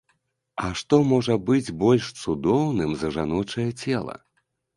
А што можа быць больш цудоўным за жаночае цела?